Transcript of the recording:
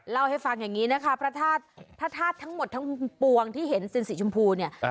เล่าให้ฟังอย่างนี้นะคะพระธาตุทั้งหมดทั้งปวงที่เห็นซินสีชมพูเนี่ย